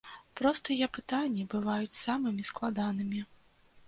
Простыя пытанні бываюць самымі складанымі.